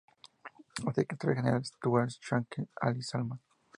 El secretario general actual es Shaikh Ali Salman.